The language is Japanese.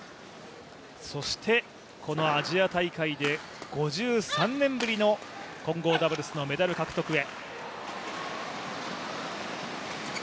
そしてこのアジア大会で５３年ぶりの混合ダブルスのメダル獲得へ。